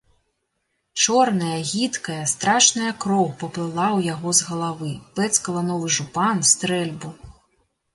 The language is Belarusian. Чорная, гідкая, страшная кроў паплыла ў яго з галавы, пэцкала новы жупан, стрэльбу.